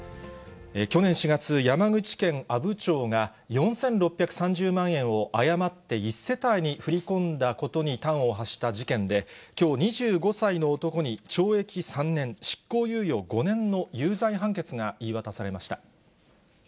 去年４月、山口県阿武町が４６３０万円を誤って１世帯に振り込んだことに端を発した事件で、きょう、２５歳の男に懲役３年執行猶予５年の有罪判決が言い渡されました。